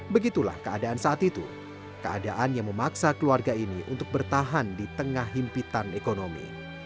begitulah keadaan saat itu keadaan yang memaksa keluarga ini untuk bertahan di tengah himpitan ekonomi